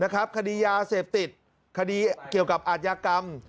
คดียาเสพติดคดีเกี่ยวกับอาทยากรรม